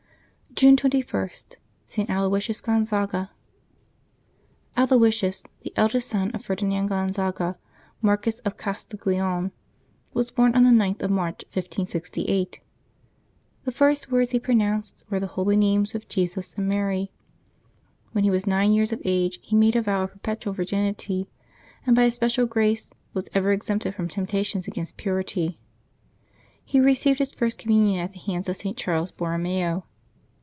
June 21— ST. ALOYSIUS GONZAGA. JIIloysius, the eldest son of Ferdinand Gonzaga, 5—1 Marquis of Castiglione, was born on the 9th of March, 1568. The first words he pronounced were the holy names of Jesus and Mary. When he was nine years of age he macle a vow of perpetual virginity, and by a special grace was ever exempted from temptations against purity. He received his first Communion at the hands of St. Charles Borromeo.